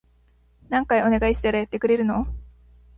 何回お願いしたらやってくれるの？